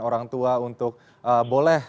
orang tua untuk boleh